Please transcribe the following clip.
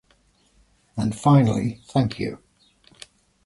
And finally, thank you.